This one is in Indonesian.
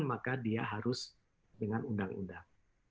maka dia harus dengan undang undang